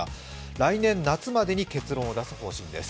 来年夏までに結論を出す方針です。